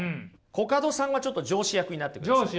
コカドさんはちょっと上司役になってください。